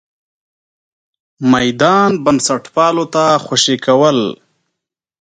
میدان بنسټپالو ته خوشې کول.